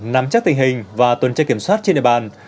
nắm chắc tình hình và tuần tra kiểm soát trên địa bàn